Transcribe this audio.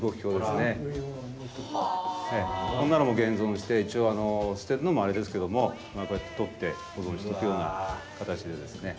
こんなのも現存して一応捨てるのもあれですけどもとって保存しとくような形でですね。